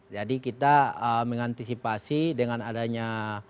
jadi kita mengantisipasi dengan adanya